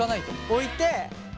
置いて。